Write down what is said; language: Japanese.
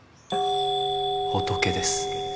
仏です。